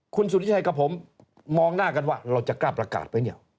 คุณสุธิชัยกับผมมองหน้ากันว่าเราจะกล้าประกาศไหมเนี่ย